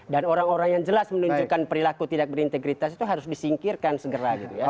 dan orang orang yang jelas menunjukkan perilaku tidak berintegritas itu harus disingkirkan segera gitu ya